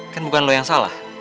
kan bukan lo yang salah